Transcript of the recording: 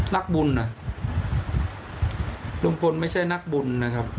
นักบุญนะลุงพลไม่ใช่นักบุญนะครับ